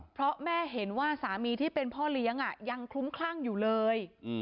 เพราะแม่เห็นว่าสามีที่เป็นพ่อเลี้ยงยังคลุ้มคลั่งอยู่เลย